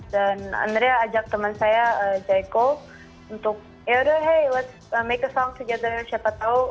dan andrea ajak teman saya jaiko untuk yaudah hey let's make a song together siapa tau